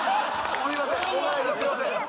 すいません